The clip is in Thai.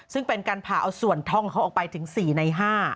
ซึ่งเป็นการผ่าเอาส่วนท่องเขาออกไปถึง๔ใน๕